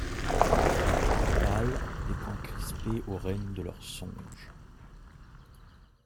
Pâles, les poings crispés aux rênes de leurs songes